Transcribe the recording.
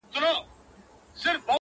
په دقيقه کي مسلسل و دروازې ته راځم;